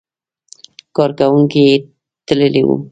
کارکوونکي یې تللي وو.